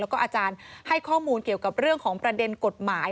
แล้วก็อาจารย์ให้ข้อมูลเกี่ยวกับเรื่องของประเด็นกฎหมาย